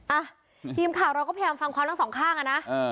อ่ะทีมข่าวเราก็พยายามฟังความทั้งสองข้างอ่ะนะ